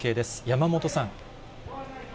山本さん。